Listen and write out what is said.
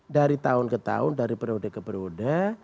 dari tahun ke tahun dari periode ke periode